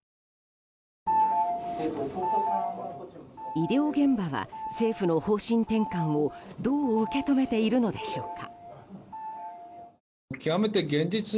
医療現場は政府の方針転換をどう受け止めているのでしょうか。